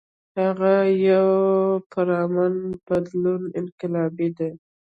هغه د يو پُرامن بدلون انقلابي دے ۔